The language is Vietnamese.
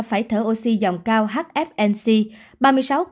ba mươi sáu ca phải thở oxy dòng cao hfnc ba mươi sáu ca phải thở oxy dòng cao hfnc